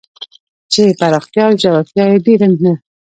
چې پراختیا او ژورتیا یې ډېر نه